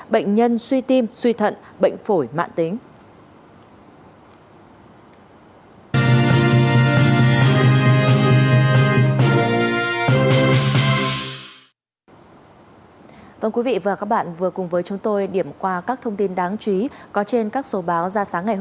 bệnh nhân suy tim suy thận bệnh phổi mãn tính